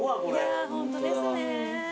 いやホントですね。